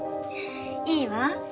いいわ。